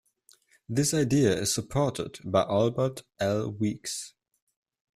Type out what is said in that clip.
This idea is supported by Albert L. Weeks.